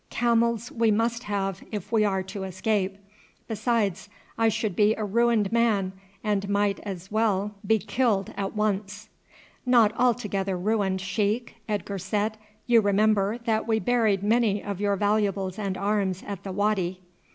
Camels we must have if we are to escape. Besides, I should be a ruined man, and might as well be killed at once." "Not altogether ruined, sheik," Edgar said. "You remember that we buried many of your valuables and arms at the wady."